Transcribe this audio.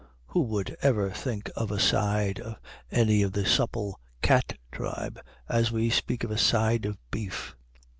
Who would ever think of a side of any of the supple cat tribe, as we speak of a side of beef?